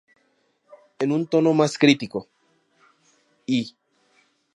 En un tono más crítico, E!